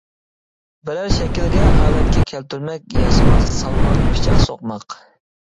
بىرەر شەكىلگە، ھالەتكە كەلتۈرمەك، ياسىماق، سالماق : پىچاق سوقماق.